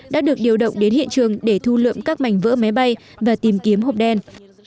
đã được điều động đến hiện trường để thu lượm các mảnh vỡ máy bay và tìm kiếm hộp đen